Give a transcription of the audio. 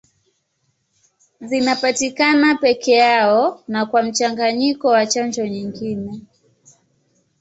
Zinapatikana peke yao na kwa mchanganyiko na chanjo nyingine.